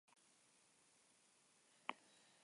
Bihar txirrindulariek atseden eguna izango dute.